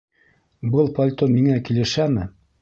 Был пальто миңә килешәме?